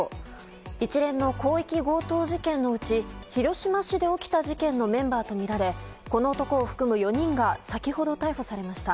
一連の広域強盗事件のうち広島市で起きた事件のメンバーとみられこの男を含む４人が先ほど逮捕されました。